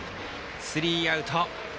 スリーアウト。